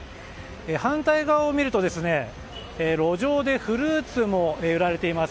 反対側を見ると路上でフルーツも売られています。